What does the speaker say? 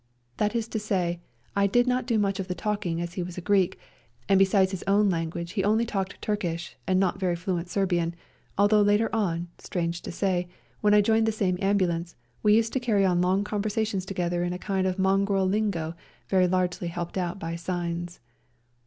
That is to say, I did not do much of the talking as he was a Greek, and besides his own language only talked Turkish and not very fluent Serbian, although later on, strange to say, when I joined the same ambulance, we used to carry on long conversations together in a kind of mongrel lingo very largely helped out by signs.